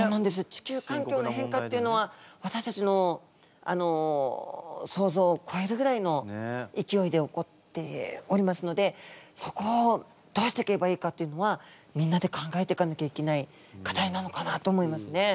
地球環境の変化っていうのはわたしたちの想像をこえるぐらいのいきおいで起こっておりますのでそこをどうしていけばいいかっていうのはみんなで考えていかなきゃいけない課題なのかなと思いますね。